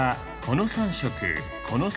この３色。